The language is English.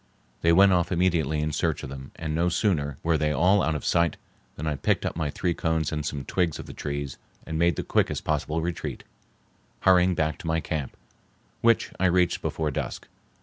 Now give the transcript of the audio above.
They went off immediately in search of them, and no sooner were they all out of sight than I picked up my three cones and some twigs of the trees and made the quickest possible retreat, hurrying back to my camp, which I reached before dusk.